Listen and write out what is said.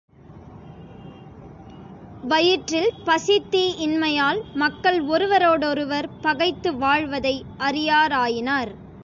வயிற்றில் பசித் தீ இன்மையால், மக்கள் ஒருவரோடொருவர் பகைத்து வாழ்வதை அறியாராயினர்.